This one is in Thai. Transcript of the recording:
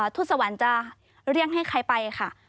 ทุศวรรค์จะเรียกให้ใครไปค่ะ